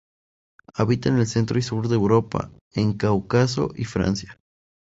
Habita en el centro y el sur de Europa, el Cáucaso y Francia.